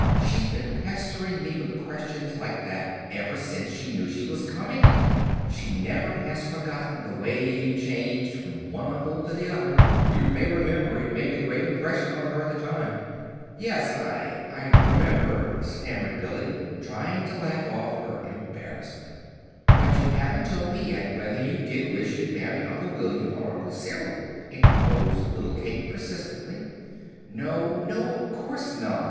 "She's been pestering me with questions like that ever since she knew she was coming. She never has forgotten the way you changed from one uncle to the other. You may remember; it made a great impression on her at the time." "Yes, I I remember," stammered Billy, trying to laugh off her embarrassment. "But you haven't told me yet whether you did wish you'd married Uncle William, or Uncle Cyril," interposed little Kate, persistently. "No, no, of course not!"